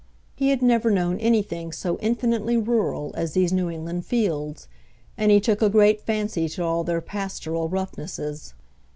He had never known anything so infinitely rural as these New England fields; and he took a great fancy to all their pastoral roughnesses.